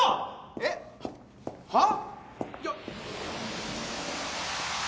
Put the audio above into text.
えっ？はっ？